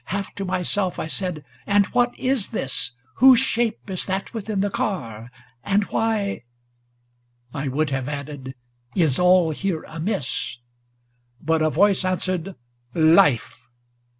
Half to myself I said ŌĆö ' And what is this ? Whose shape is that within the car ? And why ' ŌĆö I would have added ŌĆö ' is all here amiss ?' ŌĆö But a voice answered ŌĆö ' Life